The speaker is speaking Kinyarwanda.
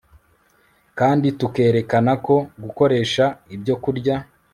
kandi tukerekana ko gukoresha ibyokurya